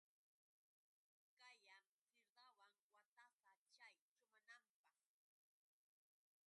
Kayan sirdawan watasa chay chumananpaq.